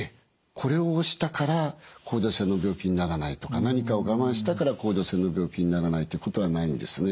これをしたから甲状腺の病気にならないとか何かを我慢したから甲状腺の病気にならないということはないんですね。